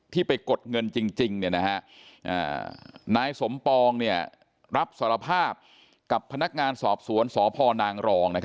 ไปกดเงินจริงนายสมปองรับสารภาพกับพนักงานสอบสวนสพนางรอง